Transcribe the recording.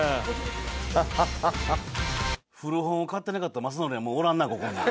古本を買ってなかった雅紀はもうおらんな。